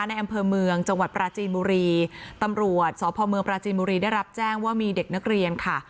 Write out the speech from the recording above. ในอำเภอเมืองจังหวัดปราจีนบุรีตำรวจสพเมืองปราจีนบุรีได้รับแจ้งว่ามีเด็กนักเรียนค่ะ